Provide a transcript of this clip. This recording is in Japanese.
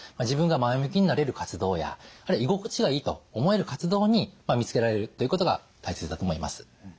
自分が前向きになれる活動や居心地がいいと思える活動に見つけられるということが大切だと思います。